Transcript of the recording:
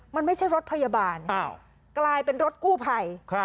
มันไม่ใช่รถพยาบาลกลายเป็นรถกู้ภัย